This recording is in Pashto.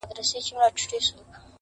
احسان نه مني قانون د زورورو٫